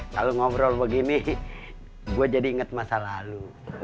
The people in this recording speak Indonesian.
kalau ngobrol begini gue jadi inget masa lalu